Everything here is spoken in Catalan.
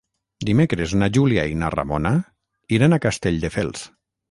Dimecres na Júlia i na Ramona iran a Castelldefels.